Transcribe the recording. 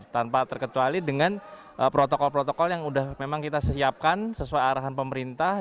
tanpa terketuali dengan protokol protokol yang memang kita sudah siapkan sesuai arahan pemerintah